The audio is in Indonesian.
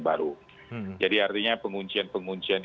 baru jadi artinya penguncian penguncian